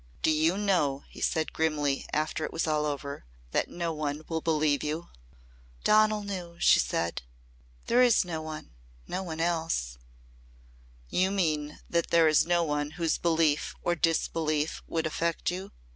"Do you know," he said grimly, after it was all over, " that no one will believe you?" "Donal knew," she said. "There is no one no one else." "You mean that there is no one whose belief or disbelief would affect you?"